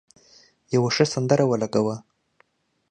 یو ښه سندره ولګوه.